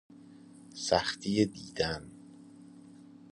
سختی دیدن